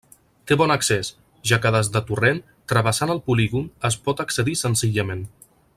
Té bon accés, ja que des de Torrent, travessant el polígon es pot accedir senzillament.